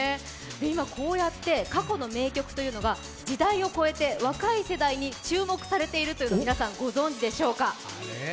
今こうやって過去の名曲というのが時代を超えて、若い世代に注目されているということを皆さん、ご存じでしょうか？